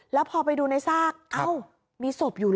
แล้วพอไปดูในซากเอ้ามีศพอยู่เหรอ